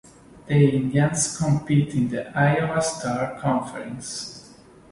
The Indians compete in the Iowa Star Conference.